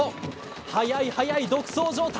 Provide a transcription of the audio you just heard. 速い速い、独走状態。